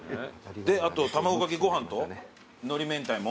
あと卵かけご飯とのり明太も？